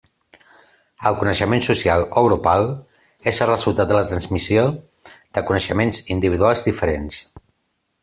El coneixement social o grupal és el resultat de la transmissió de coneixements individuals diferents.